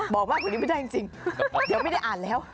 บอกมากกว่านี้ไม่ได้จริงเดี๋ยวไม่ได้อ่านแล้ว